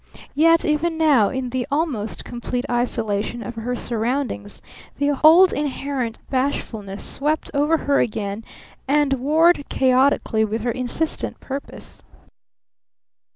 Yet even now in the almost complete isolation of her surroundings the old inherent bashfulness swept over her again and warred chaotically with her insistent purpose.